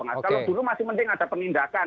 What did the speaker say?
mas kalau dulu masih penting ada penindakan